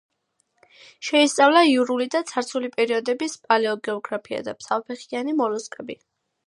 შეისწავლა იურული და ცარცული პერიოდების პალეოგეოგრაფია და თავფეხიანი მოლუსკები.